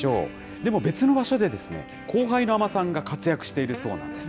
でも、別の場所で後輩の海女さんが活躍しているそうなんです。